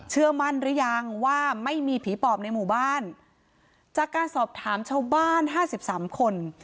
เชื่อมั่นหรือยังว่าไม่มีผีปอบในหมู่บ้านจากการสอบถามชาวบ้านห้าสิบสามคน